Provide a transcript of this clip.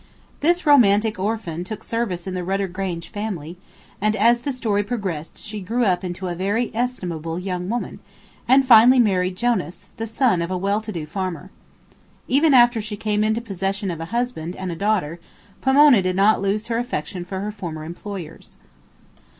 This romantic orphan took service in the "Rudder Grange" family, and as the story progressed she grew up into a very estimable young woman, and finally married Jonas, the son of a well to do farmer. Even after she came into possession of a husband and a daughter Pomona did not lose her affection for her former employers.